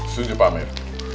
setuju pak hamir